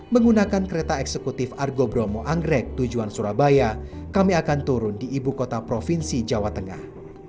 menggunakan kereta eksekutif argo bromo anggrek tujuan surabaya kami akan turun di ibu kota provinsi jawa tengah